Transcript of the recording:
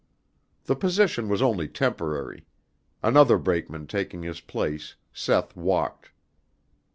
The position was only temporary. Another brakeman taking his place, Seth walked.